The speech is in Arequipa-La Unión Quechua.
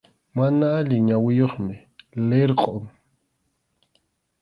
Mana allin ñawiyuqmi, lirqʼum.